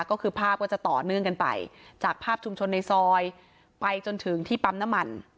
ก็คือภาพก็จะต่อเนื่องกันไปจากภาพชุมชนในซอยไปจนถึงที่ปั๊มน้ำมัน